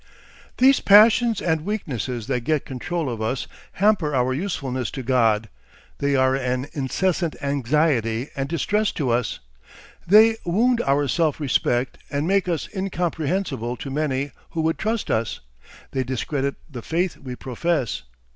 ... These passions and weaknesses that get control of us hamper our usefulness to God, they are an incessant anxiety and distress to us, they wound our self respect and make us incomprehensible to many who would trust us, they discredit the faith we profess.